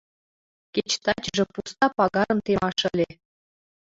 Кеч тачыже пуста пагарым темаш ыле.